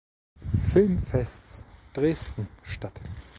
Filmfests Dresden statt.